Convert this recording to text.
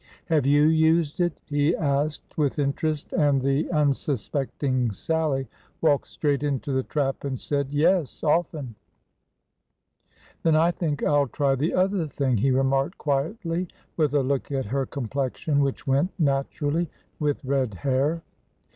Have you used it ?" he asked with interest ; and the 122 LIVING PICTURES 123 unsuspecting Sallie walked straight into the trap and said, Yes often/' " Then I think I 'll try the other thing," he remarked quietly, with a look at her complexion, which went natu rally with red hair.